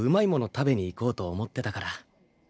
食べに行こうと思ってたから。